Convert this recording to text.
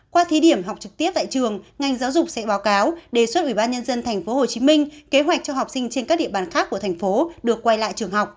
qua thí điểm học trực tiếp tại trường ngành giáo dục sẽ báo cáo đề xuất ủy ban nhân dân tp hcm kế hoạch cho học sinh trên các địa bàn khác của thành phố được quay lại trường học